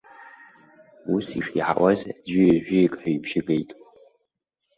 Ус ишиаҳауаз аӡәы ҩажәиак ҳәа ибжьы геит.